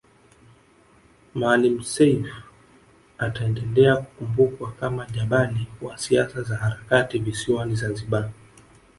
Maalim Self ataendelea kukumbukwa kama jabali wa siasa za harakati visiwani Zanzibari